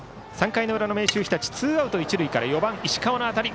３回の裏の明秀日立ツーアウト、一塁から４番、石川のあたり。